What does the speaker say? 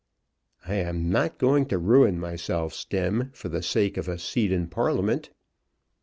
"I am not going to ruin myself, Stemm, for the sake of a seat in Parliament."